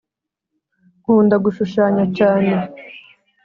nkunda gushushanya cyane